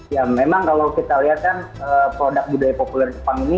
ya memang kalau kita lihat kan produk budaya populer jepang ini